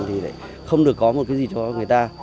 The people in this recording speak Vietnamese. thì lại không được có một cái gì cho người ta